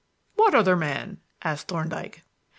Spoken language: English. "What other man?" asked Thorndyke.